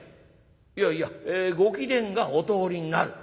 「いやいやご貴殿がお通りになる」。